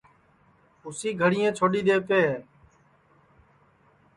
اُسی گھںٚٹؔیں چھوڈؔی دؔیوتے ہے